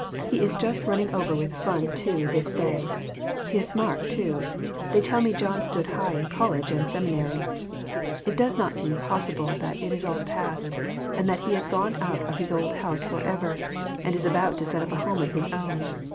He is just running over with fun to this day. He is smart, too. They tell me John stood high in college and seminary. It does AUNT HANNAH S LETTER TO HER SISTER. 3 not seem possible that it is all past, and that he is gone out of this old house forever, and is about to set up a home of his own.